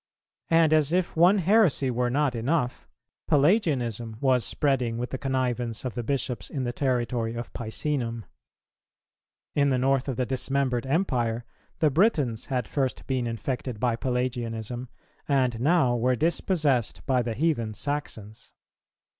And as if one heresy were not enough, Pelagianism was spreading with the connivance of the Bishops in the territory of Picenum. In the North of the dismembered Empire, the Britons had first been infected by Pelagianism, and now were dispossessed by the heathen Saxons.